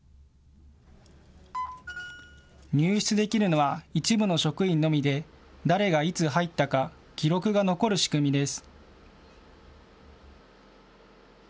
入室できるのは一部の職員のみで誰がいつ入ったか記録が残る仕組みです。